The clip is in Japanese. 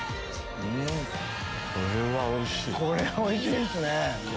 これおいしいっすね。